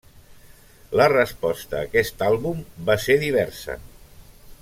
La resposta a aquest àlbum va ser diversa.